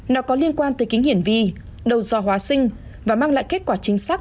nó có liên quan tới kính hiển vi đầu do hóa sinh và mang lại kết quả chính xác